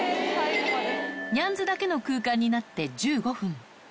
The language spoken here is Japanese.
ニャンズだけの空間になって１５分。